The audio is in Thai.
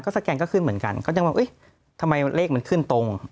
ก็สแกนก็ขึ้นเหมือนกันเขายังว่าทำไมเลขมันขึ้นตรง